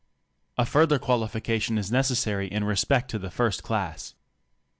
A further qualification is necessary in respect to the hrst class.